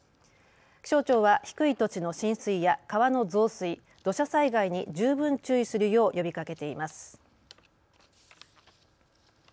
気象庁は低い土地の浸水や川の増水、土砂災害に十分注意するよう呼びかけています。